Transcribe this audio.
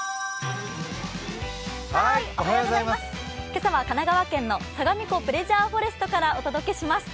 今朝は神奈川県のさがみ湖プレジャーフォレストからお届けします。